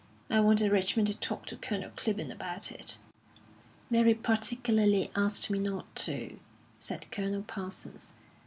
I wanted Richmond to talk to Colonel Clibborn about it." "Mary particularly asked me not to," said Colonel Parsons.